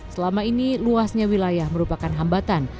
selama ini luasnya wilayah merupakan hambatan